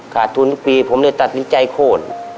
ขาดทุนทุกปีผมเลยตัดสินใจโค้น